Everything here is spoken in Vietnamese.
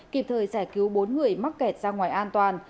kịp thời giải cứu bốn người mắc kẹt ra ngoài an toàn